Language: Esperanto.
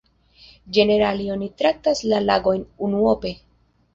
Ĝenerale oni traktas la lagojn unuope.